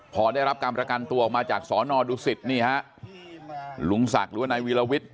พอได้รับกรรมการตัวออกมาจากสนดุศิษฐ์ลุงศักดิ์หรือว่านายวิลวิทย์